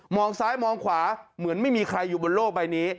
ซ้ายมองขวาเหมือนไม่มีใครอยู่บนโลกใบนี้